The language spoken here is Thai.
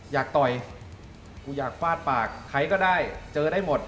ต่อยกูอยากฟาดปากใครก็ได้เจอได้หมด